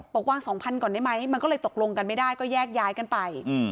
บอกวาง๒๐๐ก่อนได้ไหมมันก็เลยตกลงกันไม่ได้ก็แยกย้ายกันไป